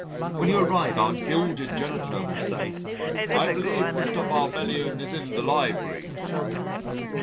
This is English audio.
When you arrive our gilded janitor will say: 'I believe Mr. Barbellion is in the library.'"